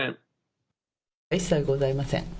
一切ございません。